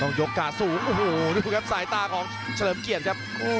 ยกกาสูงโอ้โหดูครับสายตาของเฉลิมเกียรติครับ